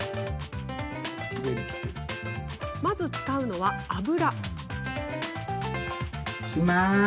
まず使うのは油！